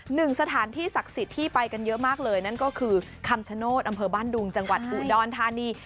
หนึ่งสถานที่ศักดิ์สิทธิ์ที่ไปกันเยอะมากเลยนั่นก็คือคำชโนธอำเภอบ้านดุงจังหวัดอุดรธานี